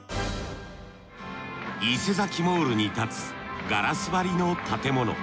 イセザキ・モールに建つガラス張りの建物。